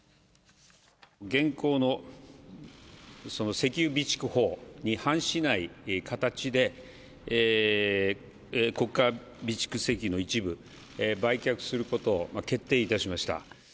現行の石油備蓄法に反しない形で、国家備蓄石油の一部、売却することを決定いたしました。